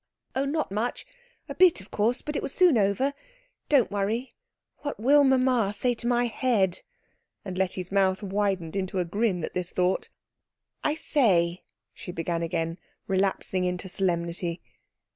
"Oh, not much. A bit, of course. But it was soon over. Don't worry. What will mamma say to my head?" And Letty's mouth widened into a grin at this thought. "I say," she began again, relapsing into solemnity.